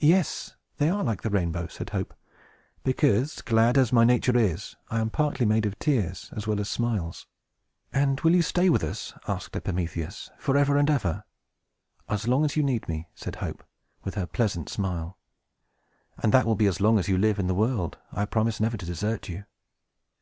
"Yes, they are like the rainbow," said Hope, "because, glad as my nature is, I am partly made of tears as well as smiles." "And will you stay with us," asked Epimetheus, "forever and ever?" "As long as you need me," said Hope, with her pleasant smile, "and that will be as long as you live in the world, I promise never to desert you.